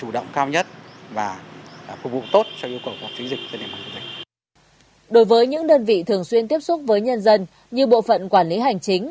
đối với những đơn vị thường xuyên tiếp xúc với nhân dân như bộ phận quản lý hành chính